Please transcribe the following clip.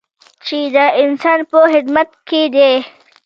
چې د انسان په خدمت کې دی.